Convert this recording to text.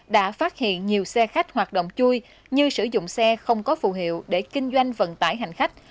đã phát hiện nhiều xe khách hoạt động chui như sử dụng xe không có phù hiệu để kinh doanh vận tải hành khách